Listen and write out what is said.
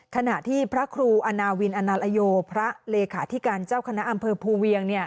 ขณะที่พระครูอาณาวินอนาลโยพระเลขาธิการเจ้าคณะอำเภอภูเวียง